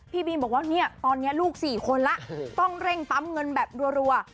พี่บีมบอกว่าเนี่ยตอนนี้ลูก๔คนแล้วต้องเร่งปั๊มเงินแบบรัว